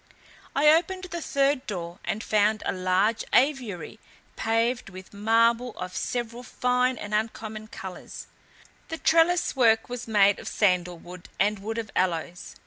I opened the third door, and found a large aviary, paved with marble of several fine and uncommon colours. The trellis work was made of sandal wood and wood of aloes.